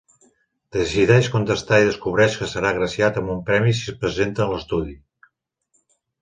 Decideix contestar i descobreix que serà agraciat amb un premi si es presenta en l'estudi.